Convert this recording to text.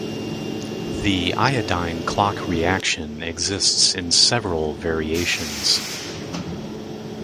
The iodine clock reaction exists in several variations.